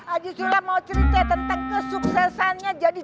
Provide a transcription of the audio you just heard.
aji sula mau cerita tentang kesuksesannya jadi juragan bubur